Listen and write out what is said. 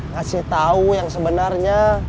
kasih tau yang sebenarnya